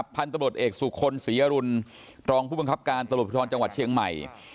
พันธุ์ตำรวจเอกสุคลศรีอรุณรองผู้บังคับการตำรวจภูทรจังหวัดเชียงใหม่